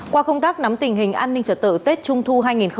qua công tác nắm tình hình an ninh trật tự tết trung thu hai nghìn hai mươi một